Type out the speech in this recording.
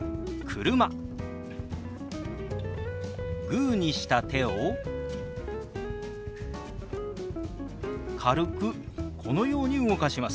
グーにした手を軽くこのように動かします。